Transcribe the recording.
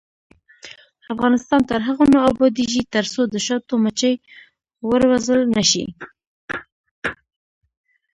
افغانستان تر هغو نه ابادیږي، ترڅو د شاتو مچۍ وروزل نشي.